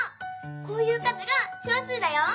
こういう数が小数だよ。